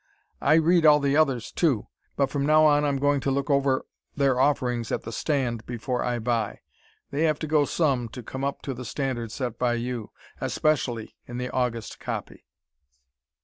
I read all the others too, but from now on I'm going to look over their offerings at the stand before I buy. They have to go some to come up to the standard set by you, especially in the August copy.